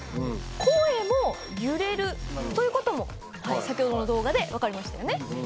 ということも先ほどの動画で分かりましたよね。